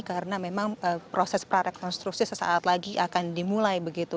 karena memang proses prarekonstruksi sesaat lagi akan dimulai begitu